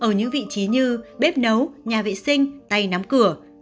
chú ý ở những vị trí như bếp nấu nhà vệ sinh tay nắm cửa